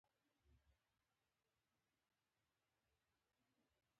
لومړني روغتون ته به مو انتقال کړی وای.